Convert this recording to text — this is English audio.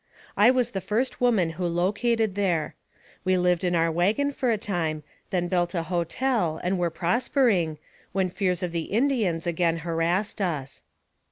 I was the first woman who located there. We lived in our wagon for a time, then built a hotel, and were prospering, when fears of the Indians again harassed us.